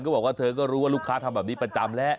บอกว่าเธอก็รู้ว่าลูกค้าทำแบบนี้ประจำแล้ว